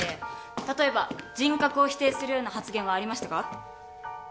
例えば人格を否定するような発言はありましたか？